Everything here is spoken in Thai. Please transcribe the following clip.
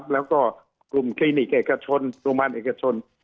แล้วก็กลุ่มคลินิกเอกชนโรงพยาบาลเอกชน